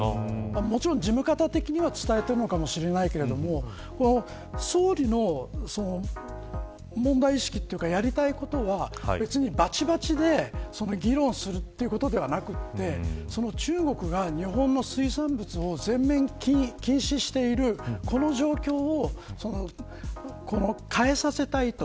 もちろん事務方的には伝えているかもしれないけど総理の問題意識というかやりたいことは別に、ばちばちで議論するということではなくて中国が日本の水産物を全面禁止しているこの状況を変えさせたいと。